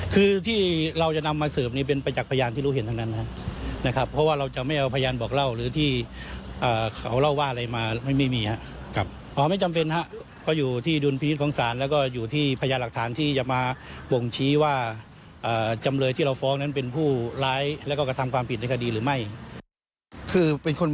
คือที่เราจะนำมาสืบนี้เป็นประจักษ์พยานที่รู้เห็นทั้งนั้นนะครับเพราะว่าเราจะไม่เอาพยานบอกเล่าหรือที่เขาเล่าว่าอะไรมาไม่มีครับอ๋อไม่จำเป็นครับเพราะอยู่ที่ดุลพินิษฐ์ของศาลแล้วก็อยู่ที่พยานหลักฐานที่จะมาบ่งชี้ว่าจำเลยที่เราฟ้องนั้นเป็นผู้ร้ายแล้วก็กระทำความผิดในคดีหรือไม่คือเป็นคน